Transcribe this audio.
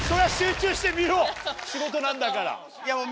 仕事なんだから。